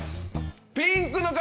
「ピンクの髪」